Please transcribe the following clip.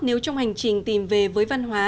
nếu trong hành trình tìm về với văn hóa